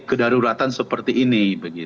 kedaruratan seperti ini